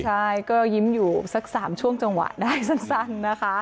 ใช่ก็หยืมอยู่สัก๓ช่วงจังหวะได้สั้น